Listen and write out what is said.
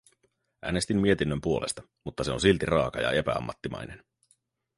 Äänestin mietinnön puolesta, mutta se on silti raaka ja epäammattimainen.